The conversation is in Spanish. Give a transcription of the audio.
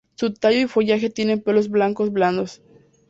Su tallo y follaje tienen pelos blancos blandos.